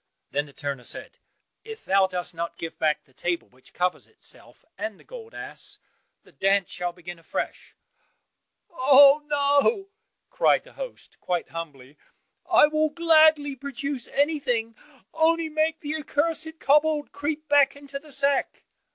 Then the turner said, "If thou dost not give back the table which covers itself, and the gold ass, the dance shall begin afresh." "Oh, no," cried the host, quite humbly, "I will gladly produce everything, only make the accursed kobold creep back into the sack."